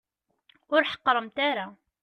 Ur ḥeqqremt ara.